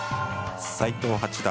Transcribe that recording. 斎藤八段